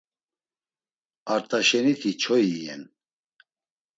Art̆aşeniti çoyi iyen.